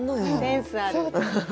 センスある！